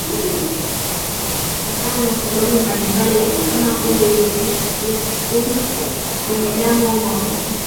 Kutokana na sababu mbalimbali kama pombe iliyopita kiasi sumu kwenye damu au maambukizi